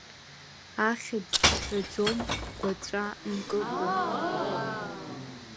Ахьыӡ сҳәаӡом гәаҵәа мкыкәа.